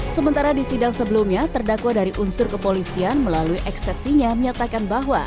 sementara di sidang sebelumnya terdakwa dari unsur kepolisian melalui eksepsinya menyatakan bahwa